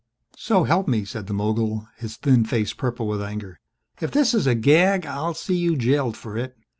"So help me," said the mogul, his thin face purple with anger, "if this is a gag I'll see you jailed for it!